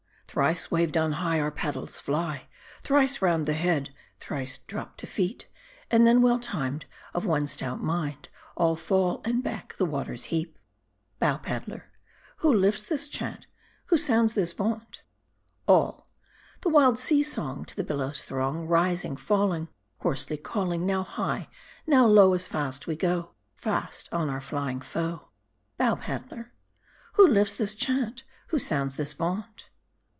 Thrice waved on high, Our paddles fly : Thrice round the head, thrice dropt to feet : And then well timed, 'Of one stout mind, All fall, and back the waters heap ! (Bow Paddler.) Who lifts this chant ? Who sounds this vaunt ? MARDI. 251 {JUl.) ' The wild sea song, to the billows' throng, Rising, falling, Hoarsely calling, ,..+,, Now high, now low, as fast we go, Fast on our flying foe ! (Bow Paddler.) Who lifts this chant ? Who sounds this vaunt